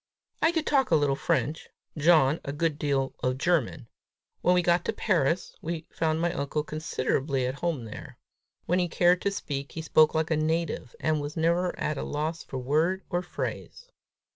I could talk a little French, John a good deal of German. When we got to Paris, we found my uncle considerably at home there. When he cared to speak, he spoke like a native, and was never at a loss for word or phrase.